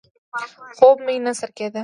خوب مې نه سر کېده.